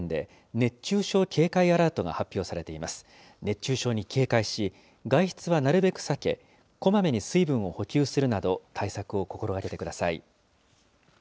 熱中症に警戒し、外出はなるべく避け、こまめに水分を補給するなど、対策を心がけてください。